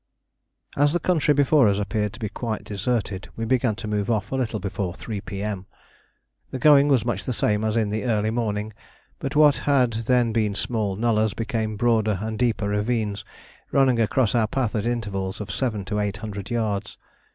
As the country before us appeared to be quite deserted, we began to move off a little before 3 P.M. The going was much the same as in the early morning, but what had then been small nullahs became broader and deeper ravines, running across our path at intervals of seven to eight hundred yards.